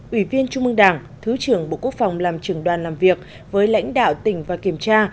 ủy viên trung mương đảng thứ trưởng bộ quốc phòng làm trưởng đoàn làm việc với lãnh đạo tỉnh và kiểm tra